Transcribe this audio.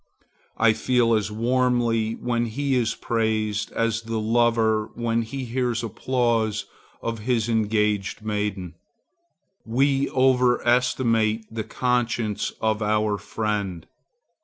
I feel as warmly when he is praised, as the lover when he hears applause of his engaged maiden. We over estimate the conscience of our friend.